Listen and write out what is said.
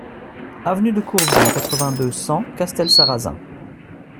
Avenue de Courbieu, quatre-vingt-deux, cent Castelsarrasin